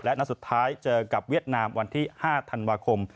และนัดสุดท้ายเจอกับเวียดนามวันที่๕ธันวาคม